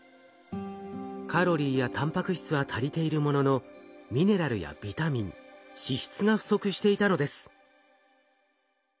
カロリーやたんぱく質は足りているもののミネラルやビタミン脂質が不足していたのです。